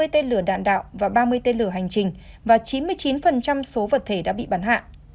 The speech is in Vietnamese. hai mươi tên lửa đạn đạo và ba mươi tên lửa hành trình và chín mươi chín số vật thể đã bị bắn hạ